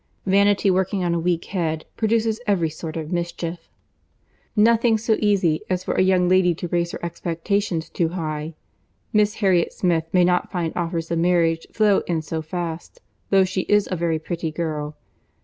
Vanity working on a weak head, produces every sort of mischief. Nothing so easy as for a young lady to raise her expectations too high. Miss Harriet Smith may not find offers of marriage flow in so fast, though she is a very pretty girl.